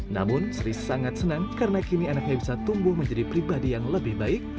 namun sri sangat senang karena kini anaknya bisa tumbuh menjadi pribadi yang lebih baik